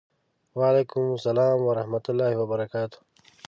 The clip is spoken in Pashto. وعلیکم سلام ورحمة الله وبرکاته